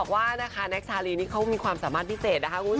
ไม่ได้ได้ตามตามงู